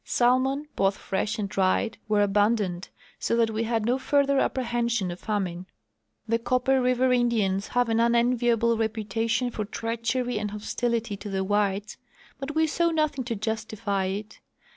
Salmon, both fresh and dried, were abundant, so that we had no further apprehension of famine. The Copper river Indians have an unenviable repu tation for treachery and hostilit}^ to the whites ; but we saw nothing to justify it.